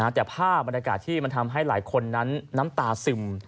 แต่ภาพบรรยากาศที่มันทำให้หลายคนนั้นน้ำตาซึม